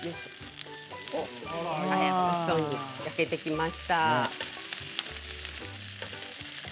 おいしそうに焼けてきました。